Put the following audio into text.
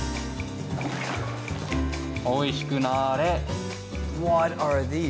おいしくなれ。